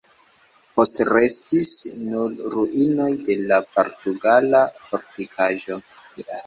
Postrestis nur ruinoj de la portugala fortikaĵo.